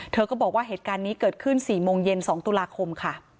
เธอก็บอกว่าเหตุการณ์นี้เกิดขึ้น๔โมงเย็น๒ตุลาคมค่ะ